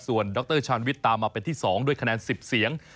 ส่วนดรชาญวิทย์ตามมาเป็นที่๒ด้วยคะแนน๑๐เสียง